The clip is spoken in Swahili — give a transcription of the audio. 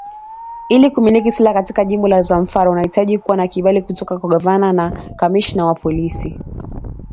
Ili kumiliki silaha katika jimbo la Zamfara unahitaji kuwa na kibali kutoka kwa gavana na kamishana wa polisi